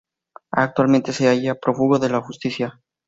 Actualmente se halla prófugo de la justicia.